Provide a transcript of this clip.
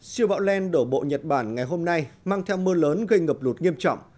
siêu bão len đổ bộ nhật bản ngày hôm nay mang theo mưa lớn gây ngập lụt nghiêm trọng